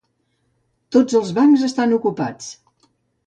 Tots els bancs estan ocupats.